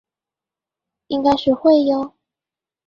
應該是會呦